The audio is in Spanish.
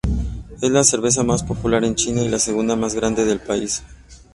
Es la cerveza más popular en China y la segunda más grande del país.